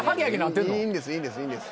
いいんですいいんです。